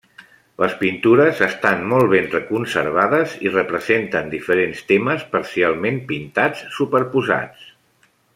Les pintures estan molt ben conservades i representen diferents temes parcialment pintats superposats.